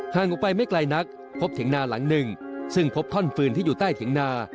ออกไปไม่ไกลนักพบเถียงนาหลังหนึ่งซึ่งพบท่อนฟืนที่อยู่ใต้เถียงนา